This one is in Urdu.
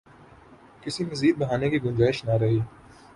کسی مزید بہانے کی گنجائش نہ رہی۔